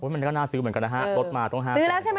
มันก็น่าซื้อเหมือนกันนะฮะ